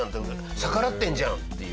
逆らってるじゃんっていう。